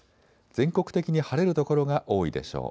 全国的に晴れる所が多いでしょう。